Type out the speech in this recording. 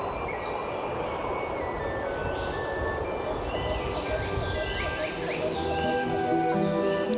สวัสดีครับ